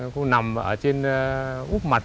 cũng nằm ở trên úp mặt